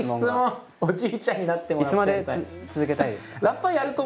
いつまで続けたいですか？